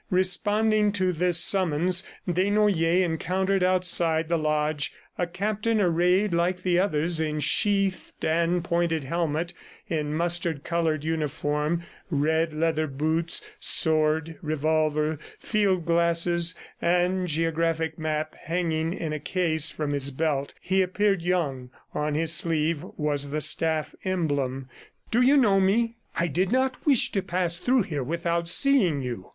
Responding to this summons, Desnoyers encountered outside the lodge, a captain arrayed like the others in sheathed and pointed helmet, in mustard colored uniform, red leather boots, sword, revolver, field glasses and geographic map hanging in a case from his belt. He appeared young; on his sleeve was the staff emblem. "Do you know me? ... I did not wish to pass through here without seeing you."